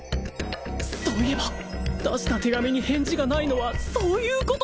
そういえば出した手紙に返事がないのはそういうこと？